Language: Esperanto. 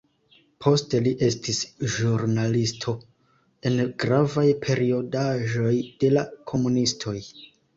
Poste li estis ĵurnalisto en gravaj periodaĵoj de la komunistoj.